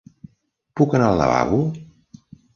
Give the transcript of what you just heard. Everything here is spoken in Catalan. Puc anar al lavabo?